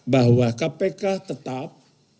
bahwa kpk tetap